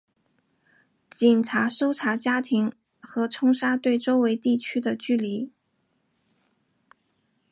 警察搜查家庭和冲刷对周围地区的距离。